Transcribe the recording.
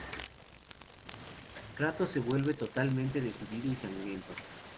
Kratos se vuelve totalmente decidido y sangriento.